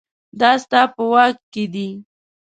دا ستا په واک کې دي